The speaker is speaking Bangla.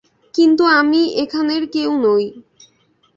কিন্তু আমি এখানের কেউ নই।